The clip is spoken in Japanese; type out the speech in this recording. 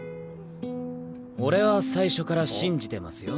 俺は最初から信じてますよ。